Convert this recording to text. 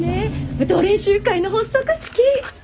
舞踏練習会の発足式！